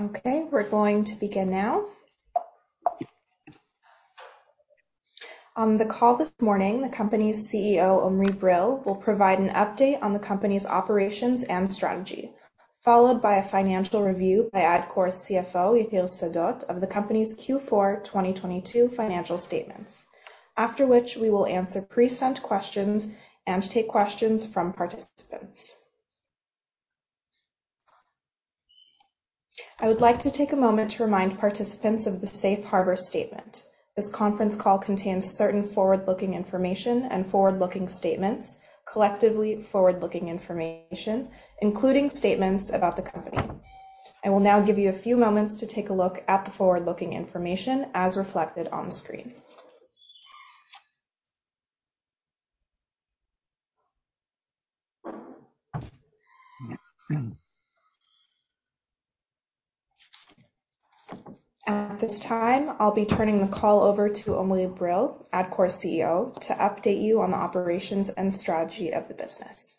Okay, we're going to begin now. On the call this morning, the company's CEO, Omri Brill, will provide an update on the company's operations and strategy, followed by a financial review by Adcore's CFO, Yatir Sadot, of the company's Q4 2022 financial statements. After which, we will answer pre-sent questions and take questions from participants. I would like to take a moment to remind participants of the Safe Harbor statement. This conference call contains certain forward-looking information and forward-looking statements, collectively, forward-looking information, including statements about the company. I will now give you a few moments to take a look at the forward-looking information as reflected on the screen. At this time, I'll be turning the call over to Omri Brill, Adcore's CEO, to update you on the operations and strategy of the business.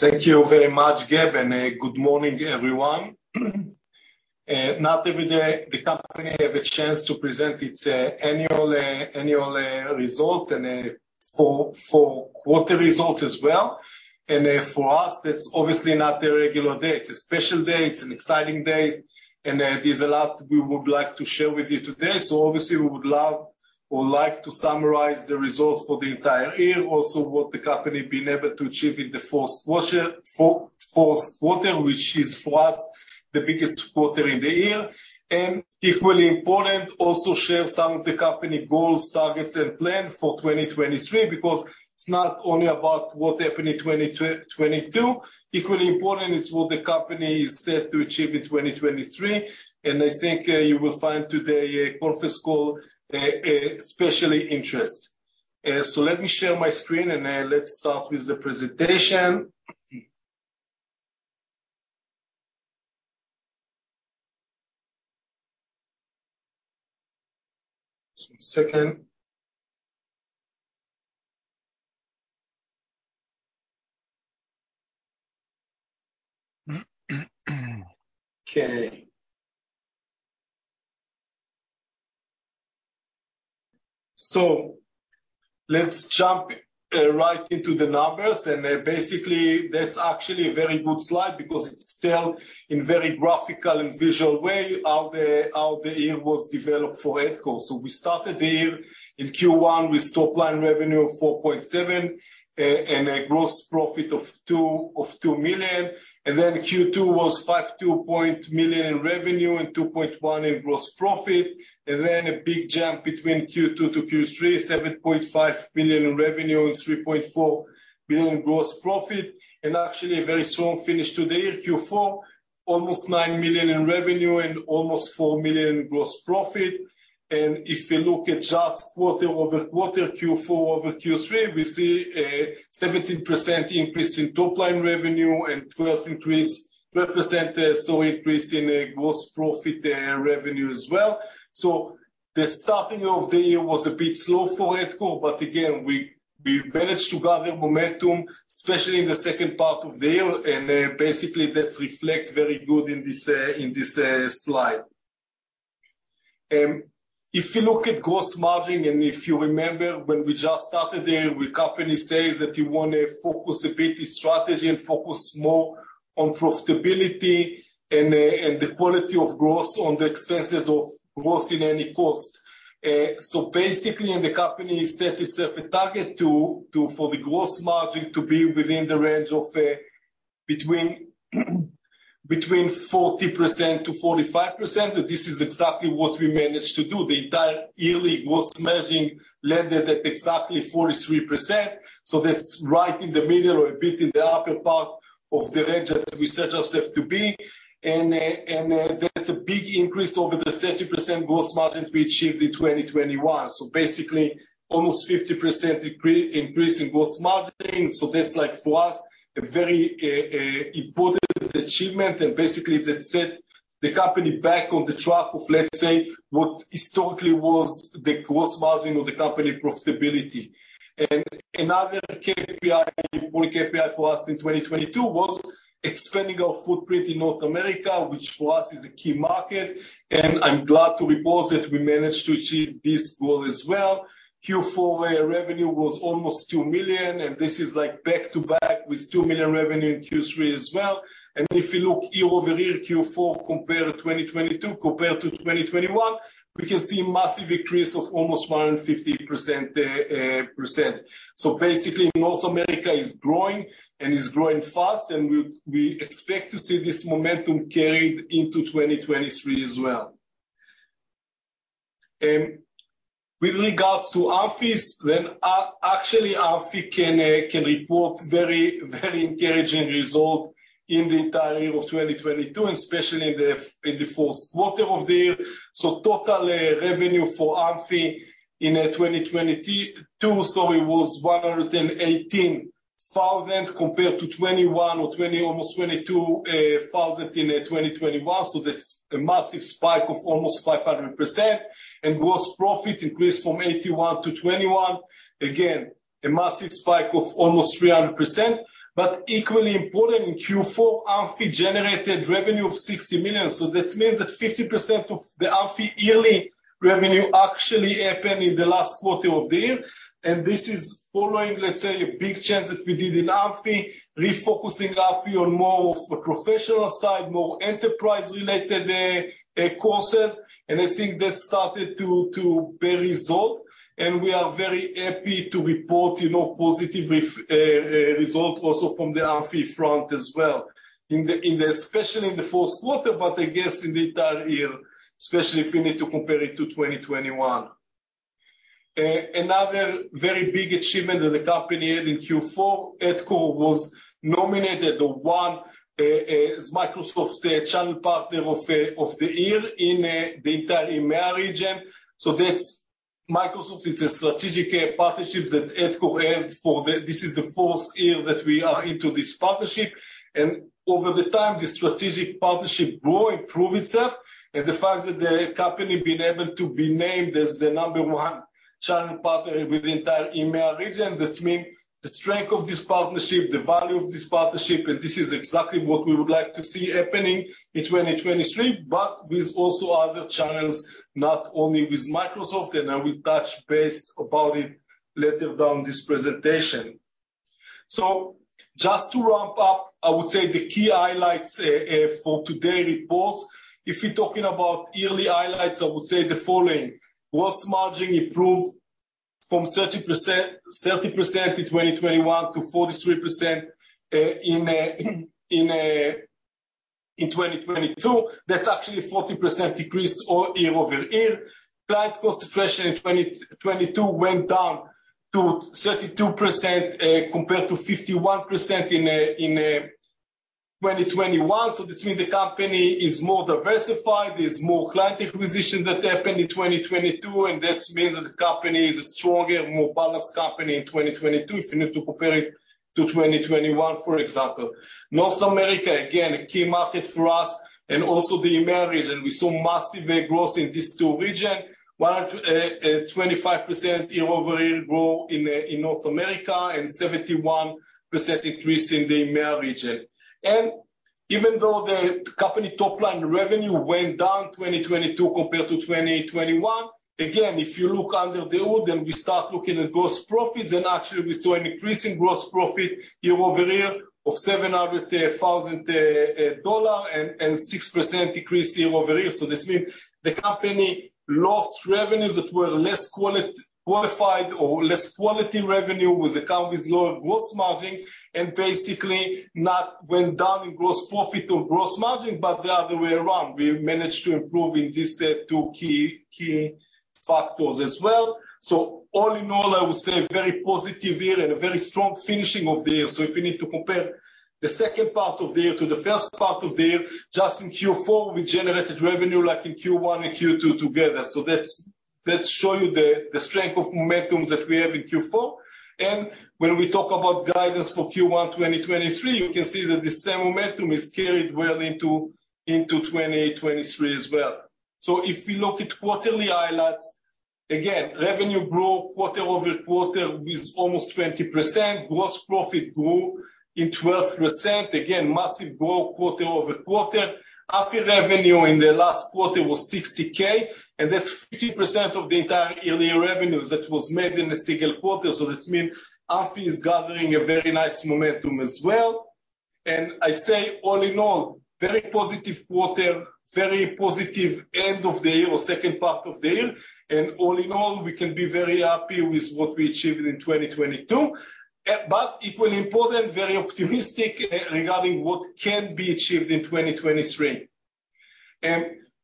Thank you very much, Gabe, good morning, everyone. Not every day the company have a chance to present its annual results and for quarter results as well. For us, that's obviously not a regular day. It's a special day, it's an exciting day, and there's a lot we would like to share with you today. Obviously, we would love or like to summarize the results for the entire year, also what the company been able to achieve in the fourth quarter, which is for us, the biggest quarter in the year. Equally important, also share some of the company goals, targets, and plan for 2023, because it's not only about what happened in 2022. Equally important is what the company is set to achieve in 2023. I think you will find today a conference call especially interest. Let me share my screen, let's start with the presentation. Just one second. Okay. Let's jump right into the numbers. Basically, that's actually a very good slide because it's tell in very graphical and visual way how the year was developed for Adcore. We started the year in Q1 with top line revenue of 4.7 million and a gross profit of 2 million. Q2 was 5.2 million in revenue and 2.1 million in gross profit. A big jump between Q2 to Q3, 7.5 billion in revenue and 3.4 billion in gross profit. Actually a very strong finish to the year, Q4, almost 9 million in revenue and almost 4 million in gross profit. If we look at just quarter-over-quarter, Q4 over Q3, we see a 17% increase in top line revenue and 12% increase in gross profit revenue as well. The starting of the year was a bit slow for Adcore, but again, we managed to gather momentum, especially in the second part of the year, and then basically that reflect very good in this in this slide. If you look at gross margin, and if you remember when we just started the year, the company says that we wanna focus a bit the strategy and focus more on profitability and the quality of gross on the expenses of gross in any cost. Basically, the company set itself a target for the gross margin to be within the range of between 40%-45%. This is exactly what we managed to do. The entire yearly gross margin landed at exactly 43%. That's right in the middle or a bit in the upper part of the range that we set ourself to be. That's a big increase over the 30% gross margin we achieved in 2021. Basically almost 50% increase in gross margin. That's like for us, a very important achievement. Basically that set the company back on the track of, let's say, what historically was the gross margin of the company profitability. Another KPI, important KPI for us in 2022 was expanding our footprint in North America, which for us is a key market. I'm glad to report that we managed to achieve this goal as well. Q4 revenue was almost 2 million, and this is like back-to-back with 2 million revenue in Q3 as well. If you look year-over-year, Q4 compared 2022 compared to 2021, we can see a massive increase of almost 150%. Basically, North America is growing, and is growing fast, and we expect to see this momentum carried into 2023 as well. With regards to Amphy, actually, Amphy can report very, very encouraging result in the entire year of 2022, and especially in the fourth quarter of the year. Total revenue for Amphy in 2022, it was 118,000 compared to 21,000 or 20,000, almost 22,000 in 2021. That's a massive spike of almost 500%. Gross profit increased from 81,000 to 21,000. Again, a massive spike of almost 300%. Equally important, in Q4, Amphy generated revenue of 60 million. That means that 50% of the Amphy yearly revenue actually happened in the last quarter of the year. This is following, let's say, a big change that we did in Amphy, refocusing Amphy on more of a professional side, more enterprise-related courses. I think that started to bear result. We are very happy to report, you know, positive result also from the Amphy front as well, especially in the fourth quarter, but I guess in the entire year, especially if we need to compare it to 2021. Another very big achievement of the company here in Q4, Adcore was nominated the one as Microsoft's channel partner of the year in the entire EMEA region. That's Microsoft. It's a strategic partnership that Adcore have for the. This is the fourth year that we are into this partnership. Over the time, the strategic partnership grow and prove itself. The fact that the company been able to be named as the number one channel partner with the entire EMEA region, that means the strength of this partnership, the value of this partnership, and this is exactly what we would like to see happening in 2023, but with also other channels, not only with Microsoft, and I will touch base about it later down this presentation. Just to wrap up, I would say the key highlights for today reports, if we're talking about yearly highlights, I would say the following. Gross margin improved from 30% in 2021 to 43% in 2022. That's actually a 40% decrease or year-over-year. Client concentration in 2022 went down to 32% compared to 51% in 2021. This means the company is more diversified. There's more client acquisition that happened in 2022, and that means that the company is a stronger, more balanced company in 2022 if we need to compare it to 2021, for example. North America, again, a key market for us and also the EMEA region. We saw massive growth in these two region. 25% year-over-year growth in North America and 71% increase in the EMEA region. Even though the company top line revenue went down in 2022 compared to 2021, again, if you look under the hood, then we start looking at gross profits, and actually we saw an increase in gross profit year-over-year of 700 thousand dollars and 6% decrease year-over-year. This means the company lost revenues that were less qualified or less quality revenue with account with lower gross margin and basically not went down in gross profit or gross margin, but the other way around. We managed to improve in these two key factors as well. All in all, I would say very positive year and a very strong finishing of the year. If you need to compare the second part of the year to the first part of the year, just in Q4, we generated revenue like in Q1 and Q2 together. That shows you the strength of momentums that we have in Q4. When we talk about guidance for Q1 2023, you can see that the same momentum is carried well into 2023 as well. If we look at quarterly highlights, again, revenue grew quarter-over-quarter with almost 20%. Gross profit grew in 12%. Again, massive growth quarter-over-quarter. Amphy revenue in the last quarter was 60K, and that's 50% of the entire yearly revenues that was made in a single quarter. This mean Amphy is gathering a very nice momentum as well. I say all in all, very positive quarter, very positive end of the year or second part of the year. All in all, we can be very happy with what we achieved in 2022. Equally important, very optimistic regarding what can be achieved in 2023.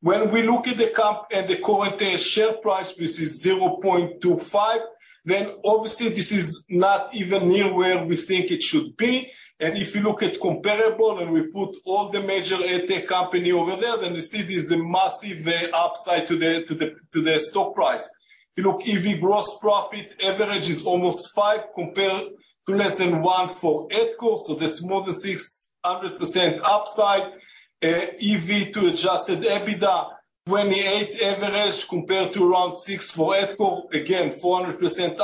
When we look at the current share price, which is 0.25, obviously this is not even near where we think it should be. If you look at comparable, and we put all the major AdTech company over there, then you see there's a massive upside to the stock price. If you look EV Gross Profit, average is almost five compared to less than one for Adcore, so that's more than 600% upside. EV to Adjusted EBITDA, 28 average compared to around six for Adcore. Again, 400%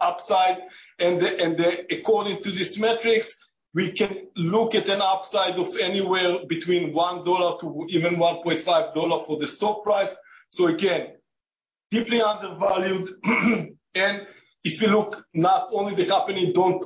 upside. And the according to these metrics, we can look at an upside of anywhere between 1 dollar to even 1.5 dollar for the stock price. Again, deeply undervalued. If you look, not only the company don't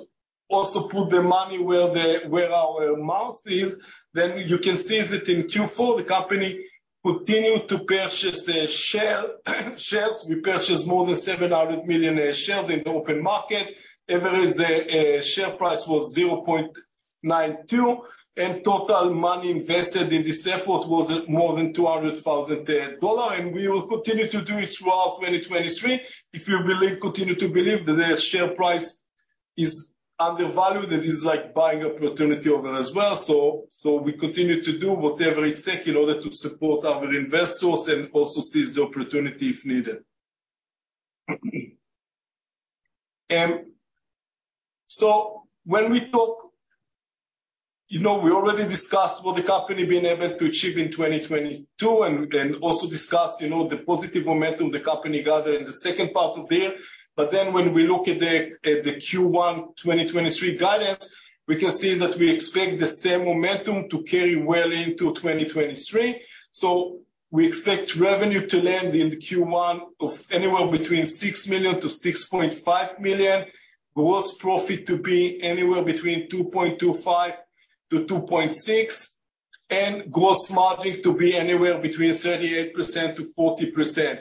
also put their money where our mouth is, then you can see that in Q4, the company continued to purchase the shares. We purchased more than 700 million shares in the open market. Average share price was 0.92, and total money invested in this effort was more than 200,000 dollars. We will continue to do it throughout 2023. If you believe, continue to believe that the share price is undervalued, that is like buying opportunity over as well. We continue to do whatever it takes in order to support our investors and also seize the opportunity if needed. When we talk. You know, we already discussed what the company been able to achieve in 2022 and also discussed, you know, the positive momentum the company gathered in the second part of the year. When we look at the, at the Q1 2023 guidance, we can see that we expect the same momentum to carry well into 2023. We expect revenue to land in the Q1 of anywhere between 6 million-6.5 million. Gross profit to be anywhere between 2.25 million-2.6 million, and gross margin to be anywhere between 38%-40%.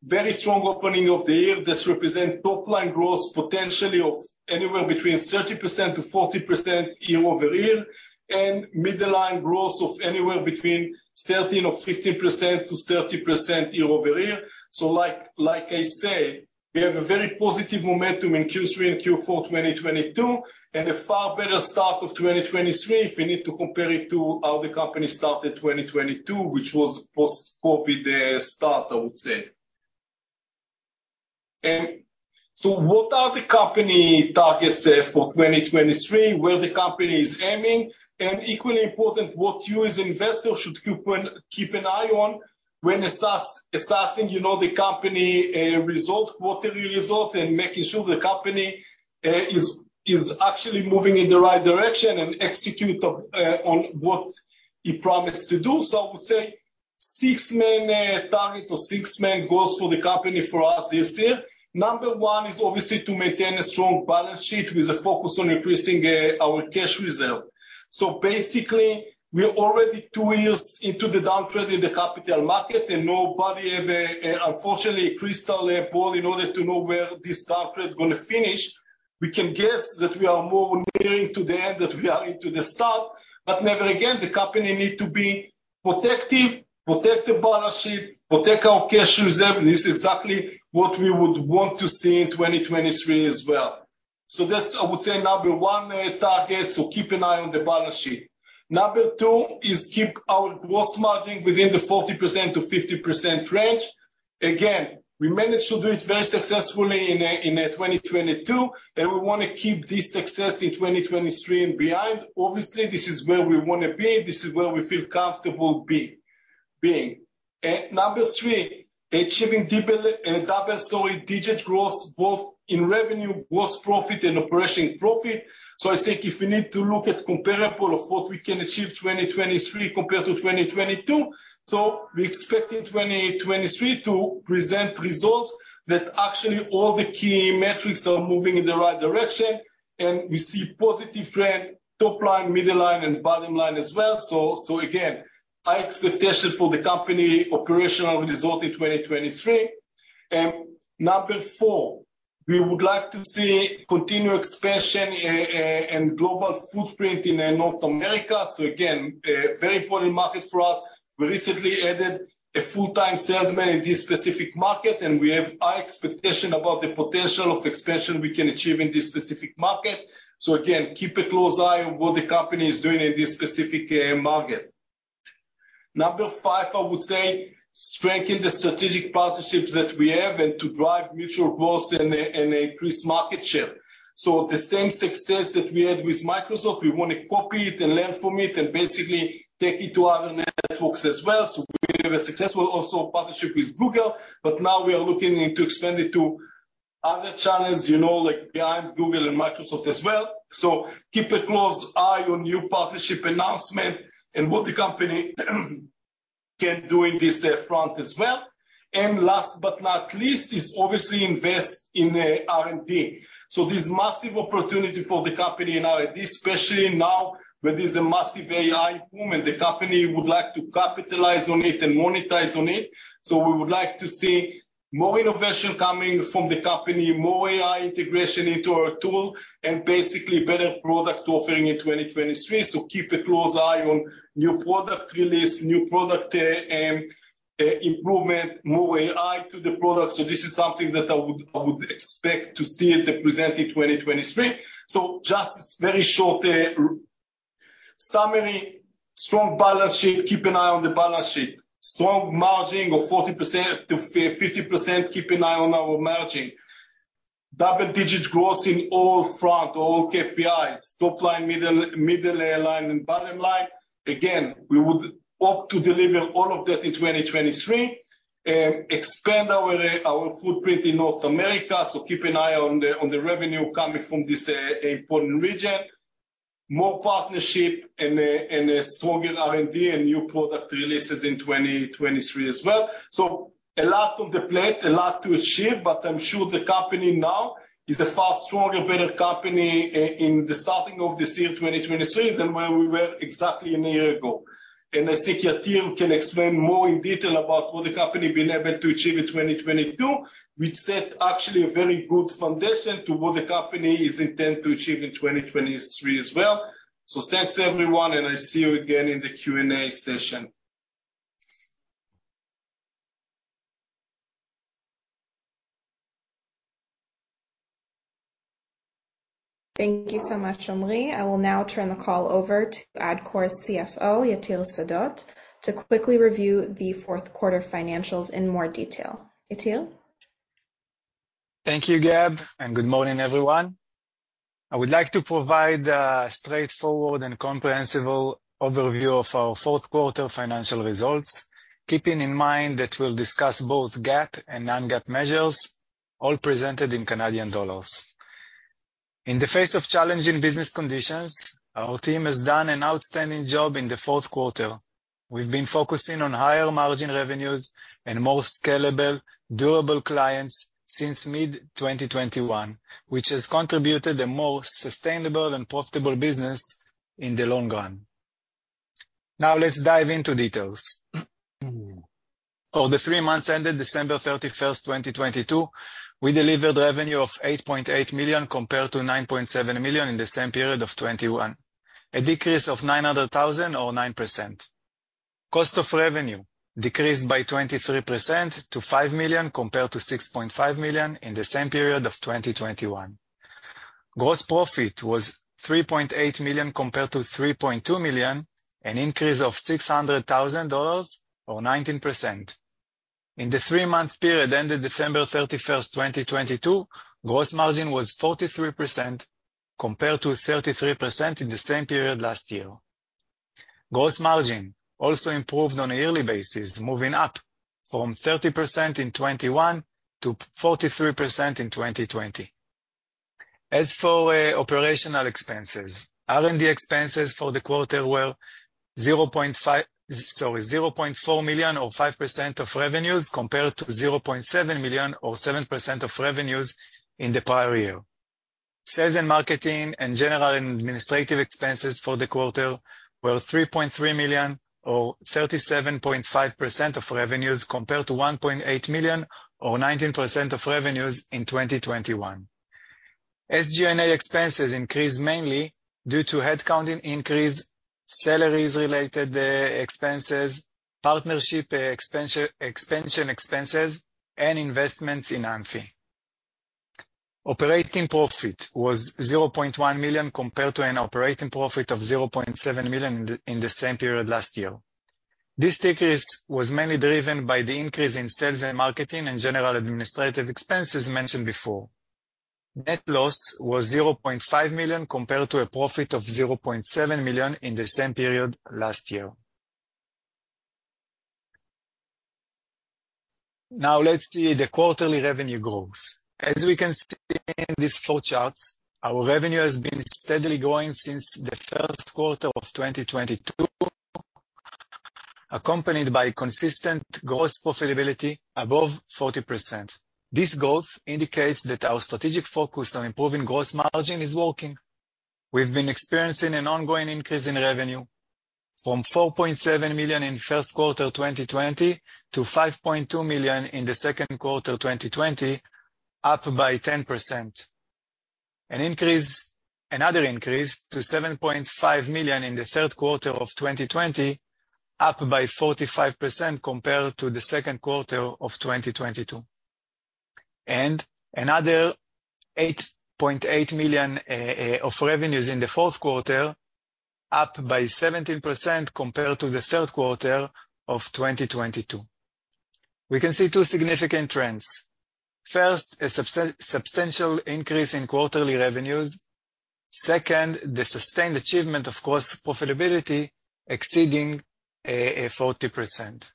Very strong opening of the year. This represent top-line growth potentially of anywhere between 30%-40% year-over-year and middle line growth of anywhere between 13% or 15%-30% year-over-year. Like I say, we have a very positive momentum in Q3 and Q4 2022, and a far better start of 2023 if we need to compare it to how the company started 2022, which was post-COVID start, I would say. What are the company targets for 2023, where the company is aiming? Equally important, what you as investors should keep an eye on when assessing, you know, the company result, quarterly result and making sure the company is actually moving in the right direction and execute on what it promised to do. I would say six main targets or six main goals for the company for us this year. Number one is obviously to maintain a strong balance sheet with a focus on increasing our cash reserve. Basically, we are already two years into the downtrend in the capital market and nobody have, unfortunately, a crystal ball in order to know where this downtrend gonna finish. We can guess that we are more nearing to the end, that we are into the start. Nevertheless, the company need to be protective, protect the balance sheet, protect our cash reserve, and this is exactly what we would want to see in 2023 as well. That's, I would say number one target, so keep an eye on the balance sheet. Number two is keep our gross margin within the 40%-50% range. Again, we managed to do it very successfully in 2022, and we wanna keep this success in 2023 and beyond. Obviously, this is where we wanna be. This is where we feel comfortable being. Number three, achieving double, sorry, digit growth both in revenue, gross profit, and operating profit. I think if you need to look at comparable of what we can achieve 2023 compared to 2022, we expect in 2023 to present results that actually all the key metrics are moving in the right direction and we see positive trend, top line, middle line, and bottom line as well. Again, high expectation for the company operational result in 2023. Number four, we would like to see continued expansion and global footprint in North America. Again, a very important market for us. We recently added a full-time salesman in this specific market, and we have high expectation about the potential of expansion we can achieve in this specific market. Again, keep a close eye on what the company is doing in this specific market. Number five, I would say strengthen the strategic partnerships that we have and to drive mutual growth and increase market share. The same success that we had with Microsoft, we wanna copy it and learn from it and basically take it to other networks as well. We have a successful also partnership with Google, but now we are looking into extend it to other channels, you know, like behind Google and Microsoft as well. Keep a close eye on new partnership announcement and what the company can do in this front as well. Last but not least, is obviously invest in R&D. There's massive opportunity for the company in R&D, especially now where there's a massive AI boom, and the company would like to capitalize on it and monetize on it. We would like to see more innovation coming from the company, more AI integration into our tool, and basically better product offering in 2023. Keep a close eye on new product release, new product improvement, more AI to the product. This is something that I would expect to see it represented 2023. Just very short summary. Strong balance sheet, keep an eye on the balance sheet. Strong margin of 40%-50%, keep an eye on our margin. Double-digit growth in all front, all KPIs, top line, middle line and bottom line. Again, we would hope to deliver all of that in 2023. expand our footprint in North America. Keep an eye on the, on the revenue coming from this important region. More partnership and a, and a stronger R&D and new product releases in 2023 as well. A lot on the plate, a lot to achieve, but I'm sure the company now is a far stronger, better company in the starting of this year, 2023, than where we were exactly a year ago. I think Yatir can explain more in detail about what the company been able to achieve in 2022, which set actually a very good foundation to what the company is intend to achieve in 2023 as well. Thanks, everyone, and I see you again in the Q&A session. Thank you so much, Omri. I will now turn the call over to Adcore's CFO, Yatir Sadot, to quickly review the fourth quarter financials in more detail. Yatir? Thank you, Gabe. Good morning, everyone. I would like to provide a straightforward and comprehensible overview of our fourth quarter financial results, keeping in mind that we'll discuss both GAAP and non-GAAP measures, all presented in Canadian dollars. In the face of challenging business conditions, our team has done an outstanding job in the fourth quarter. We've been focusing on higher margin revenues and more scalable, durable clients since mid-2021, which has contributed a more sustainable and profitable business in the long run. Let's dive into details. For the three months ended December 31, 2022, we delivered revenue of 8.8 million compared to 9.7 million in the same period of 2021, a decrease of 900,000 or 9%. Cost of revenue decreased by 23% to $5 million compared to $6.5 million in the same period of 2021. Gross profit was $3.8 million compared to $3.2 million, an increase of $600,000 or 19%. In the three month period ended December 31st, 2022, gross margin was 43% compared to 33% in the same period last year. Gross margin also improved on a yearly basis, moving up from 30% in 2021 to 43% in 2020. As for operational expenses, R&D expenses for the quarter were $0.4 million or 5% of revenues compared to $0.7 million or 7% of revenues in the prior year. Sales and marketing and general administrative expenses for the quarter were 3.3 million or 37.5% of revenues compared to 1.8 million or 19% of revenues in 2021. SG&A expenses increased mainly due to headcount increase, salaries related expenses, partnership expansion expenses, and investments in Amphy. Operating profit was 0.1 million compared to an operating profit of 0.7 million in the same period last year. This decrease was mainly driven by the increase in sales and marketing and general administrative expenses mentioned before. Net loss was 0.5 million compared to a profit of 0.7 million in the same period last year. Let's see the quarterly revenue growth. As we can see in these four charts, our revenue has been steadily growing since the first quarter of 2022, accompanied by consistent gross profitability above 40%. This growth indicates that our strategic focus on improving gross margin is working. We've been experiencing an ongoing increase in revenue from 4.7 million in first quarter 2020 to 5.2 million in the second quarter of 2020, up by 10%. Another increase to 7.5 million in the third quarter of 2020, up by 45% compared to the second quarter of 2022. Another 8.8 million of revenues in the fourth quarter, up by 17% compared to the third quarter of 2022. We can see two significant trends. First, a substantial increase in quarterly revenues. Second, the sustained achievement of gross profitability exceeding 40%.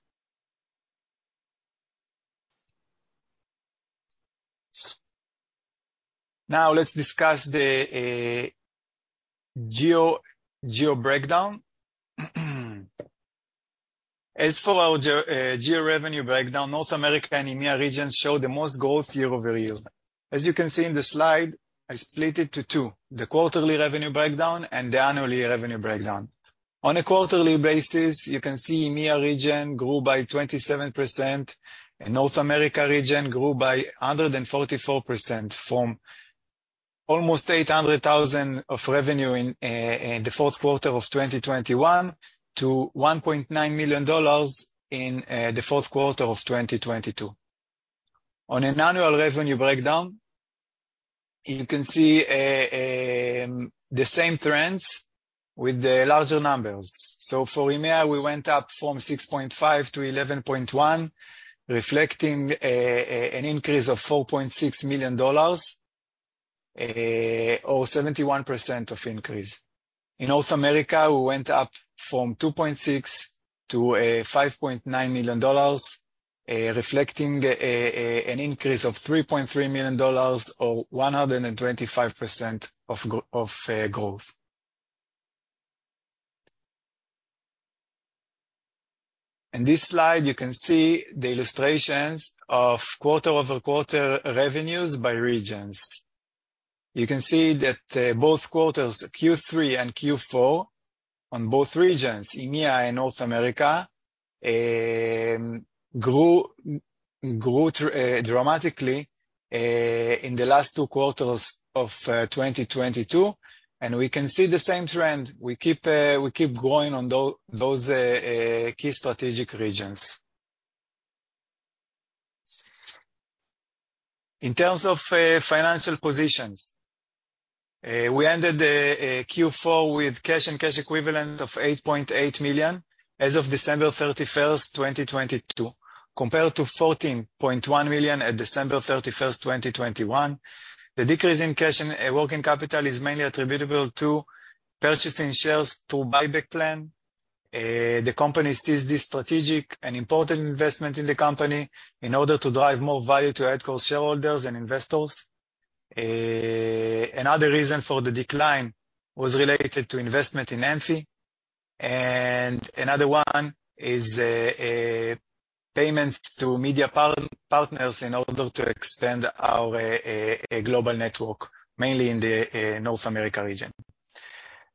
Now let's discuss the geo breakdown. As for our geo revenue breakdown, North America and EMEA region show the most growth year-over-year. As you can see in the slide, I split it to two, the quarterly revenue breakdown and the annually revenue breakdown. On a quarterly basis, you can see EMEA region grew by 27%, and North America region grew by 144% from almost 800,000 of revenue in the fourth quarter of 2021 to 1.9 million dollars in the fourth quarter of 2022. On an annual revenue breakdown, you can see the same trends with the larger numbers. For EMEA, we went up from 6.5 million to 11.1 million, reflecting an increase of 4.6 million dollars, or 71% of increase. In North America, we went up from 2.6 million to 5.9 million dollars, reflecting an increase of 3.3 million dollars or 125% growth. In this slide, you can see the illustrations of quarter-over-quarter revenues by regions. You can see that both quarters, Q3 and Q4, on both regions, EMEA and North America, grew dramatically in the last two quarters of 2022. We can see the same trend. We keep growing on those key strategic regions. In terms of financial positions, we ended Q4 with cash and cash equivalent of 8.8 million as of December 31, 2022, compared to 14.1 million at December 31, 2021. The decrease in cash and working capital is mainly attributable to purchasing shares through buyback plan. The company sees this strategic and important investment in the company in order to drive more value to Adcore shareholders and investors. Another reason for the decline was related to investment in Amphy. Another one is payments to media partners in order to expand our global network, mainly in the North America region.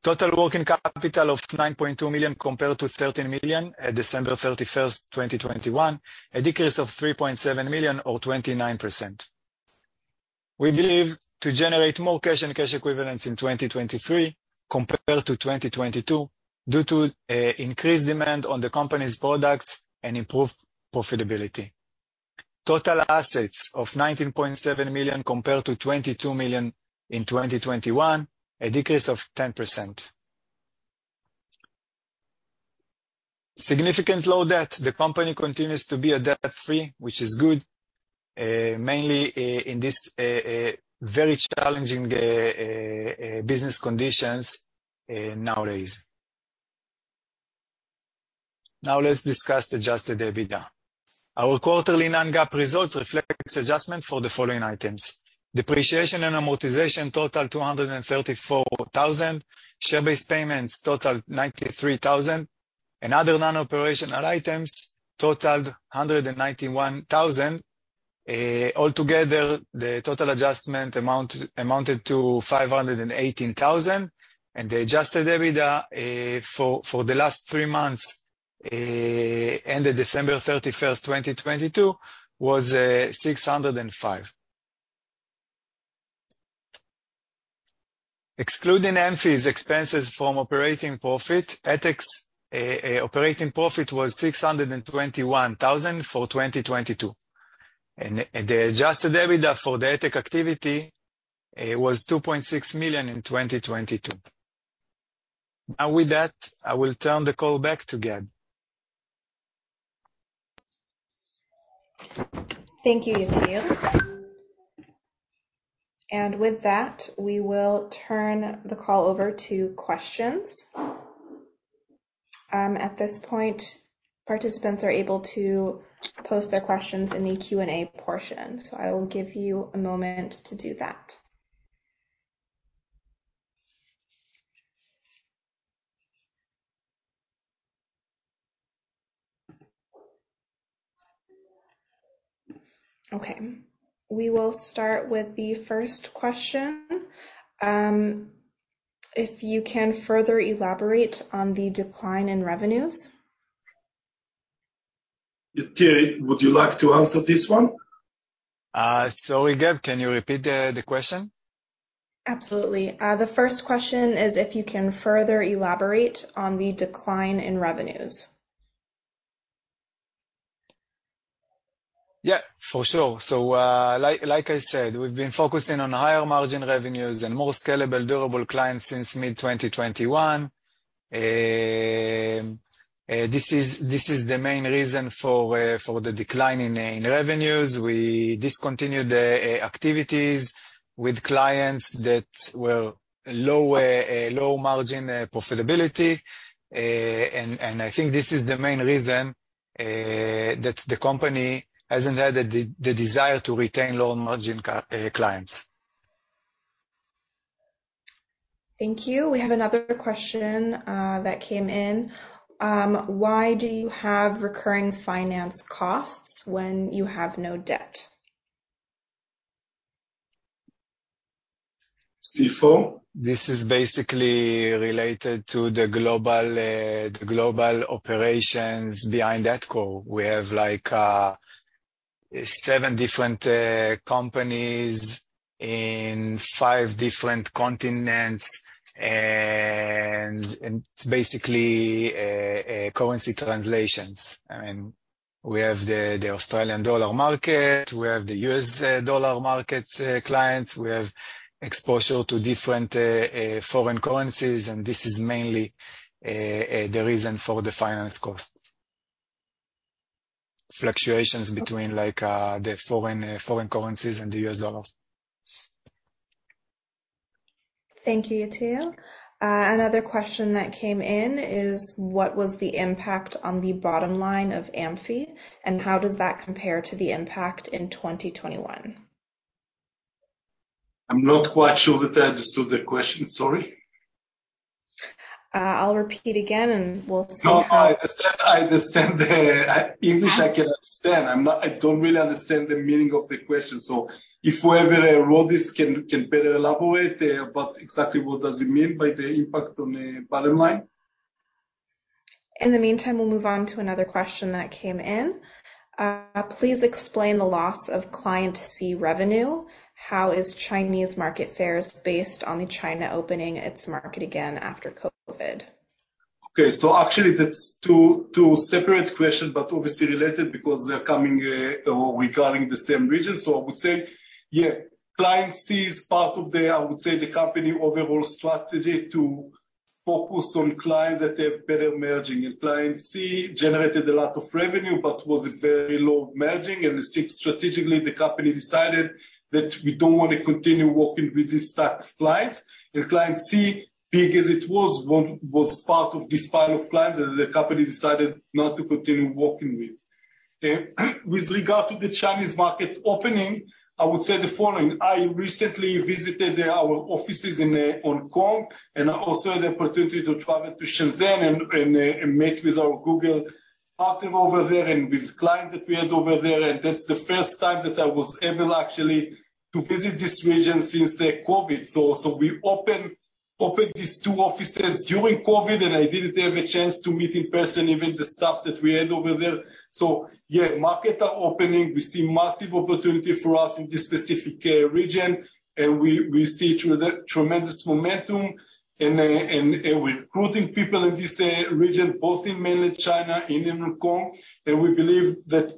Total working capital of 9.2 million compared to 13 million at December 31st, 2021, a decrease of 3.7 million or 29%. We believe to generate more cash and cash equivalents in 2023 compared to 2022 due to increased demand on the company's products and improved profitability. Total assets of 19.7 million compared to 22 million in 2021, a decrease of 10%. Significant low debt. The company continues to be a debt-free, which is good, mainly in this very challenging business conditions nowadays. Let's discuss the Adjusted EBITDA. Our quarterly non-GAAP results reflects adjustment for the following items: depreciation and amortization totaled 234,000, share-based payments totaled 93,000, and other non-operational items totaled 191,000. All together, the total adjustment amounted to 518,000, and the Adjusted EBITDA for the last three months ended December 31st, 2022, was CAD 605. Excluding Amphy's expenses from operating profit, 8X operating profit was 621,000 for 2022, and the adjusted EBITDA for the 8X activity was 2.6 million in 2022. With that, I will turn the call back to Gabe. Thank you, Yatir. With that, we will turn the call over to questions. At this point, participants are able to post their questions in the Q&A portion. I will give you a moment to do that. Okay. We will start with the first question. If you can further elaborate on the decline in revenues? Yatir Sadot, would you like to answer this one? sorry, Gabe, can you repeat the question? Absolutely. The first question is if you can further elaborate on the decline in revenues? Yeah, for sure. Like I said, we've been focusing on higher margin revenues and more scalable, durable clients since mid-2021. This is the main reason for the decline in revenues. We discontinued the activities with clients that were low margin profitability. And I think this is the main reason that the company hasn't had the desire to retain low margin clients. Thank you. We have another question that came in. Why do you have recurring finance costs when you have no debt? CFO? This is basically related to the global, the global operations behind Adcore. We have, like, seven different companies in five different continents and it's basically currency translations. I mean, we have the Australian dollar market, we have the U.S. dollar markets clients. We have exposure to different foreign currencies. This is mainly the reason for the finance cost. Fluctuations between, like, the foreign currencies and the U.S. dollars. Thank you, Yatir Sadot. another question that came in is what was the impact on the bottom line of Amphy, and how does that compare to the impact in 2021? I'm not quite sure that I understood the question, sorry. I'll repeat again, and we'll see- No, I understand, I understand English I can understand. I don't really understand the meaning of the question. If whoever wrote this can better elaborate about exactly what does it mean by the impact on the bottom line. In the meantime, we'll move on to another question that came in. Please explain the loss of Client C revenue? How is Chinese market fares based on the China opening its market again after COVID? Actually that's two separate questions, but obviously related because they're coming or regarding the same region. I would say, yeah, Client C is part of the, I would say, the company overall strategy to focus on clients that have better merging. Client C generated a lot of revenue, but was a very low merging. Strategically, the company decided that we don't want to continue working with this type of clients. Client C, big as it was part of this pile of clients that the company decided not to continue working with. With regard to the Chinese market opening, I would say the following. I recently visited our offices in Hong Kong. I also had the opportunity to travel to Shenzhen and meet with our Google partner over there and with clients that we had over there. That's the first time that I was able actually to visit this region since COVID. We opened these two offices during COVID, and I didn't have a chance to meet in person even the staff that we had over there. Yeah, markets are opening. We see massive opportunity for us in this specific region. We see tremendous momentum and recruiting people in this region, both in Mainland China and in Hong Kong. We believe that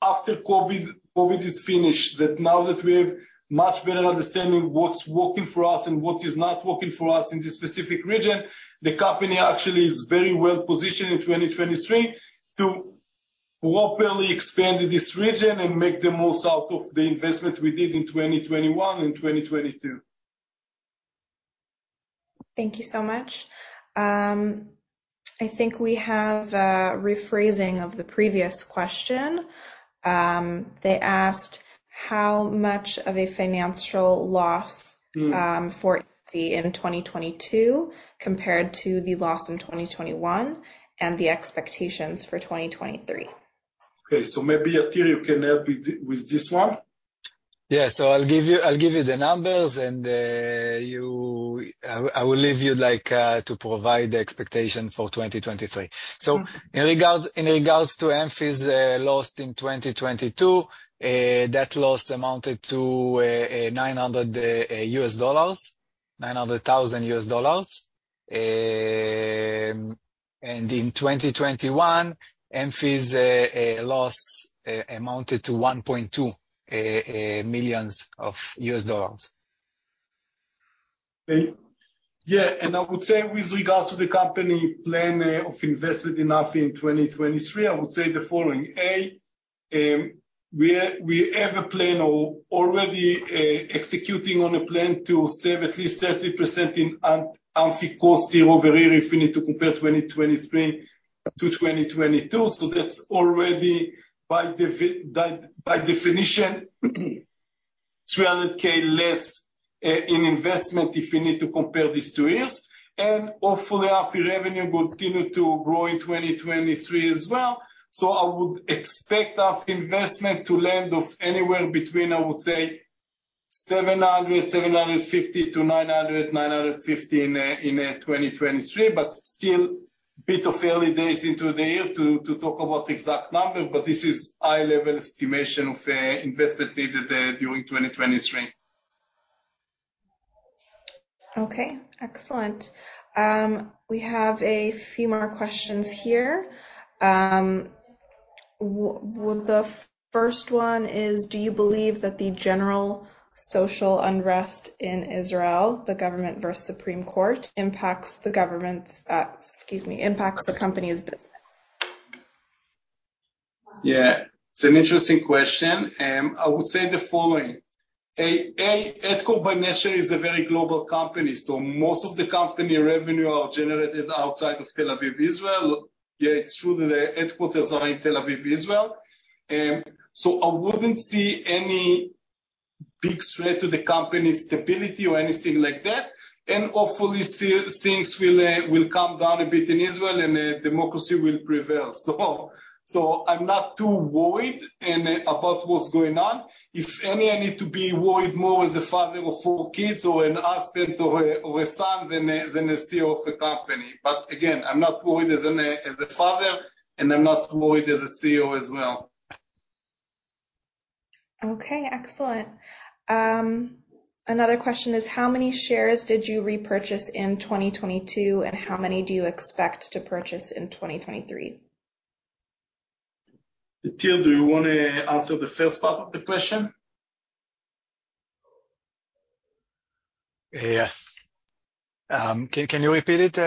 after COVID is finished, that now that we have much better understanding what's working for us and what is not working for us in this specific region, the company actually is very well positioned in 2023 to properly expand in this region and make the most out of the investment we did in 2021 and 2022. Thank you so much. I think we have a rephrasing of the previous question. They asked how much of a financial loss- Mm. For in 2022 compared to the loss in 2021 and the expectations for 2023. Okay. Maybe, Yatir, you can help me with this one. Yeah. I'll give you the numbers and I will leave you, like, to provide the expectation for 2023. Mm-hmm. In regards to Amphy's loss in 2022, that loss amounted to $900,000. In 2021, Amphy's loss amounted to $1.2 million. Yeah. I would say with regards to the company plan of investment in Amphy in 2023, I would say the following. A, we have a plan already executing on a plan to save at least 30% in Amphy costs year-over-year if we need to compare 2023-2022. That's already by definition, 300,000 less in investment if you need to compare these two years. Hopefully, Amphy revenue will continue to grow in 2023 as well. I would expect our investment to land of anywhere between, I would say, 700- 750 to 900- 950 in 2023, but still bit of early days into the year to talk about exact numbers, but this is high-level estimation of investment made during 2023. Okay, excellent. We have a few more questions here. Well, the first one is, do you believe that the general social unrest in Israel, the government versus Supreme Court, impacts the government's, excuse me, impacts the company's business? Yeah. It's an interesting question, and I would say the following. Adcore by nature is a very global company, so most of the company revenue are generated outside of Tel Aviv, Israel. Yeah, it's true that the headquarters are in Tel Aviv, Israel. I wouldn't see any big threat to the company's stability or anything like that. Hopefully, things will calm down a bit in Israel and democracy will prevail. I'm not too worried about what's going on. If any, I need to be worried more as a father of four kids or a husband or a son than a CEO of a company. Again, I'm not worried as a father, and I'm not worried as a CEO as well. Okay, excellent. Another question is, how many shares did you repurchase in 2022, and how many do you expect to purchase in 2023? Yatir, do you wanna answer the first part of the question? Yeah. Can you repeat it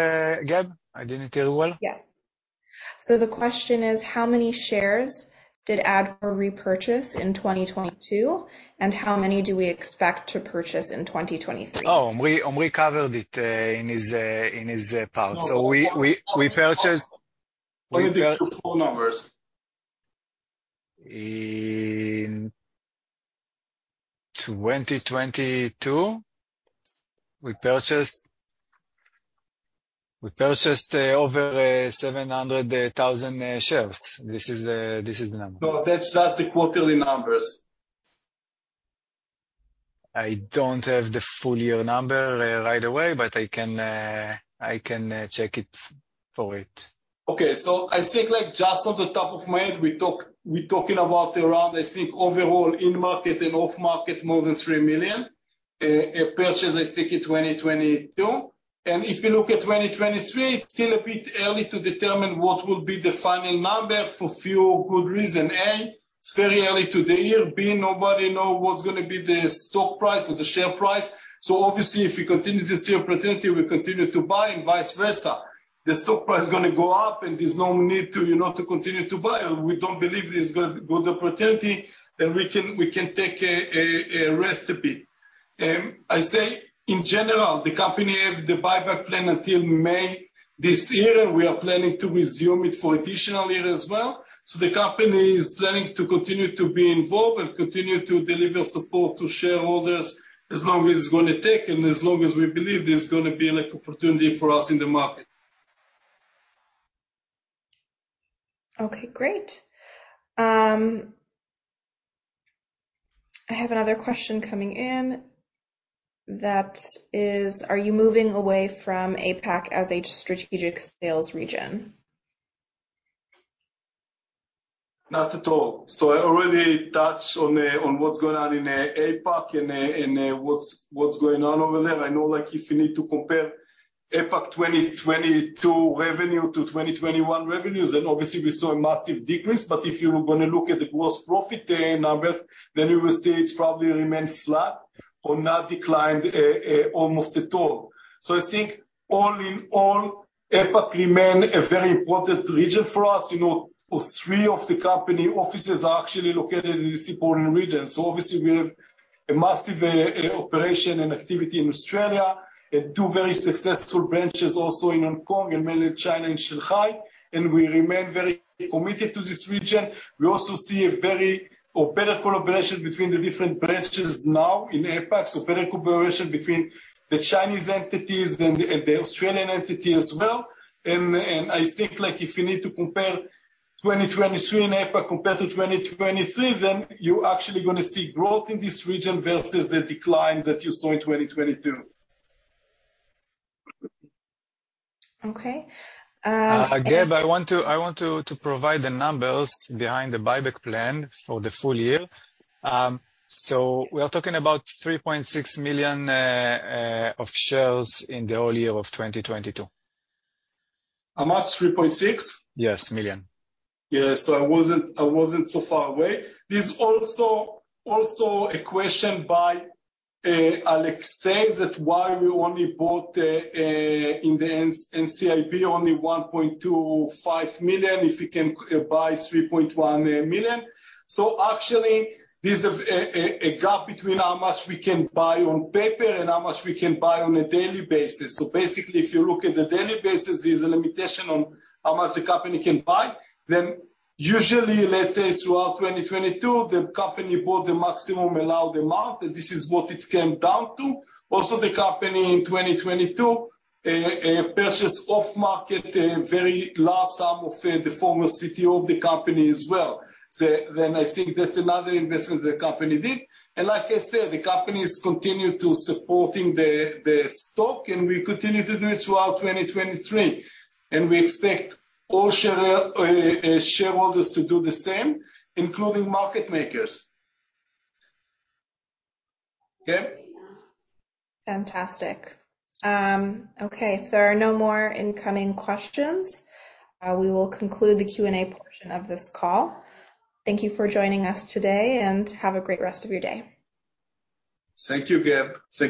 again? I didn't hear well. The question is, how many shares did Adcore repurchase in 2022, and how many do we expect to purchase in 2023? Oh, Omri covered it, in his part. Why don't you give the full numbers? In 2022, we purchased over 700,000 shares. This is the number. No, that's just the quarterly numbers. I don't have the full year number, right away, but I can check it for it. Okay. I think like just off the top of my head, we talking about around, I think overall in market and off market more than 3 million.A, a purchase I think in 2022. If you look at 2023, it's still a bit early to determine what will be the final number for few good reason. A, it's very early to the year, B, nobody know what's gonna be the stock price or the share price. Obviously, if we continue to see opportunity, we continue to buy, and vice versa. The stock price is gonna go up, there's no need to, you know, to continue to buy, we don't believe there's gonna good opportunity, we can take a rest a bit. I say in general, the company have the buyback plan until May this year. We are planning to resume it for additional year as well. The company is planning to continue to be involved and continue to deliver support to shareholders as long as it's gonna take and as long as we believe there's gonna be like opportunity for us in the market. Okay, great. I have another question coming in that is: Are you moving away from APAC as a strategic sales region? Not at all. I already touched on what's going on in APAC and what's going on over there. I know, like, if you need to compare APAC 2022 revenue to 2021 revenues, then obviously we saw a massive decrease. If you're gonna look at the gross profit numbers, then you will see it's probably remained flat or not declined almost at all. I think all in all, APAC remain a very important region for us. You know, three of the company offices are actually located in this important region. Obviously we have a massive operation and activity in Australia and two very successful branches also in Hong Kong and mainland China and Shanghai. We remain very committed to this region. We also see a very or better collaboration between the different branches now in APAC, so better collaboration between the Chinese entities and the, and the Australian entity as well. I think, like, if you need to compare 2023 in APAC compared to 2023, then you actually gonna see growth in this region versus the decline that you saw in 2022. Okay. Gabe, I want to provide the numbers behind the buyback plan for the full year. We are talking about 3.6 million of shares in the whole year of 2022. How much? 3.6? Yes, million. I wasn't, I wasn't so far away. There's also a question by Alex says that why we only bought in the NCIB only 1.25 million, if we can buy 3.1 million. Actually, there's a gap between how much we can buy on paper and how much we can buy on a daily basis. Basically, if you look at the daily basis, there's a limitation on how much the company can buy. Usually, let's say throughout 2022, the company bought the maximum allowed amount, and this is what it came down to. The company in 2022 purchased off market a very large sum of the former CTO of the company as well. I think that's another investment the company did. Like I said, the company has continued to supporting the stock, and we continue to do it throughout 2023. We expect all share shareholders to do the same, including market makers. Okay? Fantastic. Okay. If there are no more incoming questions, we will conclude the Q&A portion of this call. Thank you for joining us today. Have a great rest of your day. Thank you, Gabe. Thank you.